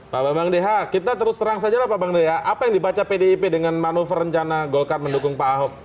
pak bambang deha kita terus terang sajalah pak bambang deha apa yang dibaca pdip dengan manuver rencana golkar mendukung pak ahok